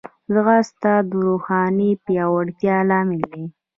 ځغاسته د روحاني پیاوړتیا لامل دی